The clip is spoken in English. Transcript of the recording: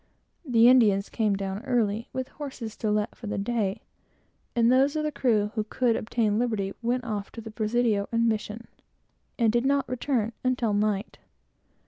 The Indians came down early, with horses to let for the day, and all the crew, who could obtain liberty, went off to the Presidio and mission, and did not return until night.